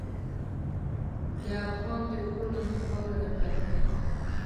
د افغان د پښو لاندې خاوره د غیرت خاوره ده.